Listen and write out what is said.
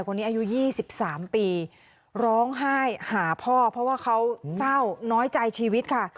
อายุ๒๓ปีร้องไห้หาพ่อเพราะว่าเขาเศร้าน้อยใจชีวิตค่ะ